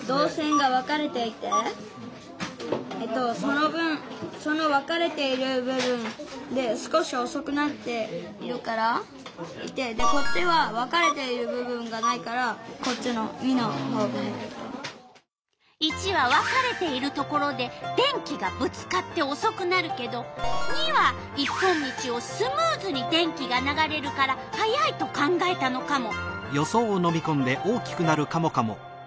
その分その分かれている部分ででこっちは①は分かれているところで電気がぶつかっておそくなるけど②は一本道をスムーズに電気が流れるから速いと考えたのカモ。